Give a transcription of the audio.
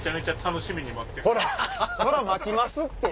そら待ちますって！